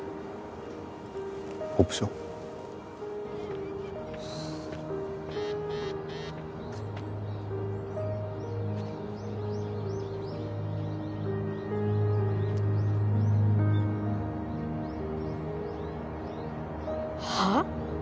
オプション？はあ？